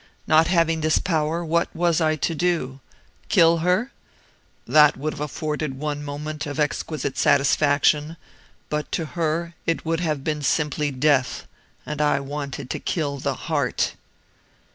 Not having this power what was I to do? Kill her? That would have afforded one moment of exquisite satisfaction but to her it would have been simply death and I wanted to kill the heart."